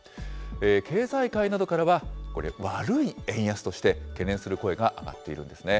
経済界などからは、これ、悪い円安として懸念する声が上がっているんですね。